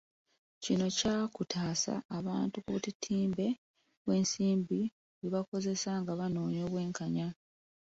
Kino kyakutaasa abantu ku butitimbe bw'ensimbi bwe bakozesa nga banoonya obwenkanya